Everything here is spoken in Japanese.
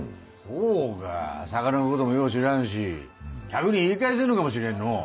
ほうか魚のこともよう知らんし客に言い返せんのかもしれんのう。